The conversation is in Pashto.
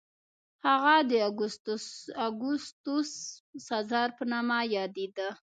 هغه د اګوستوس سزار په نامه یادېده.